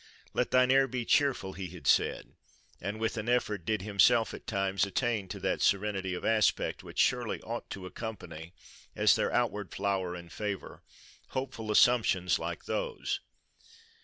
"Let thine air be cheerful," he had said; and, with an effort, did himself at times attain to that serenity of aspect, which surely ought to accompany, as their outward flower and favour, hopeful assumptions like those.